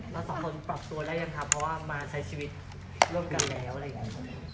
แล้วสองคนปรับตัวได้ยังคะเพราะว่ามาใช้ชีวิตรวจกันแล้วอะไรยังคะ